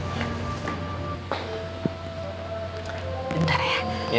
kepengenan di dalam bal detectivy